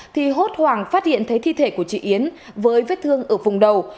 thì hốt hoảng phát hiện thấy thi thể của chị yến với vết thương ở vùng đầu